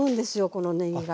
このねぎが。